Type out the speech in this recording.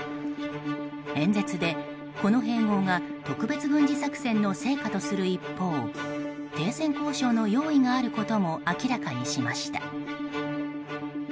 演説でこの併合が特別軍事作戦の成果とする一方停戦交渉の用意があることも明らかにしました。